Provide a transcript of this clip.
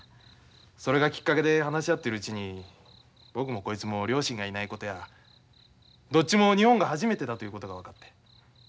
それがきっかけで話し合っているうちに僕もこいつも両親がいないことやどっちも日本が初めてだということが分かって。